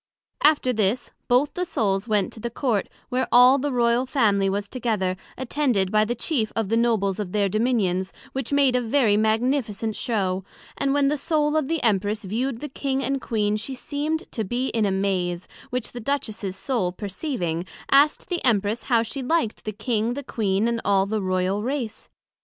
After this, both the Souls went to the Court, where all the Royal Family was together, attended by the chief of the Nobles of their Dominions, which made a very magnificent Show; and when the Soul of the Empress viewed the King and Queen, she seemed to be in a maze, which the Duchess's Soul perceiving, asked the Empress how she liked the King, the Queen, and all the Royal Race?